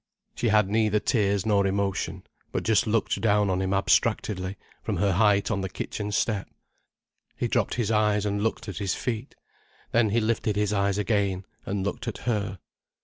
She had neither tears nor emotion, but just looked down on him abstractedly, from her height on the kitchen step. He dropped his eyes and looked at his feet. Then he lifted his eyes again, and looked at her.